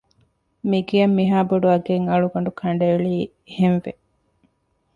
މިގެއަށް މިހާބޮޑު އަގެއް އަޅުގަނޑު ކަނޑައެޅީ އެހެންވެ